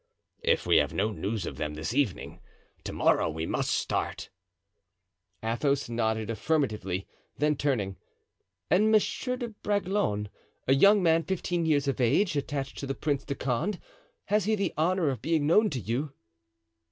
"If we have no news of them this evening, to morrow we must start." Athos nodded affirmatively, then turning: "And Monsieur de Bragelonne, a young man fifteen years of age, attached to the Prince de Condé—has he the honor of being known to you?"